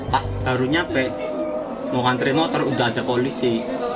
pas baru nyampe mau ngantri motor udah ada polisi